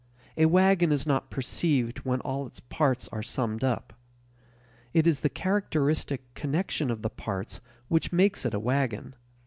A wagon is not perceived when all its parts are summed up; it is the characteristic connection of the parts which makes it a wagon.